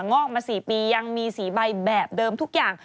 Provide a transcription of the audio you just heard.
งอกมา๔ปียังมีสีใบแบบเดิมทุกอย่าง